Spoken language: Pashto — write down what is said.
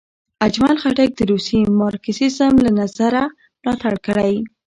اجمل خټک د روسي مارکسیزم له نظره ملاتړ کړی.